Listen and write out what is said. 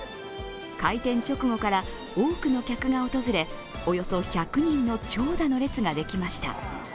開店直後から多くの客が訪れ、およそ１００人の長蛇の列ができました。